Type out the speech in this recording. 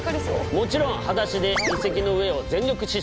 もちろん裸足で遺跡の上を全力疾走！